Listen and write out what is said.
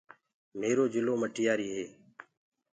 ميرو جِلو مٽياريٚ هي